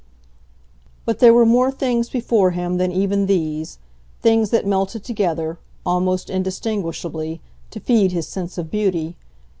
But there were more things before him than even these; things that melted together, almost indistinguishably, to feed his sense of beauty.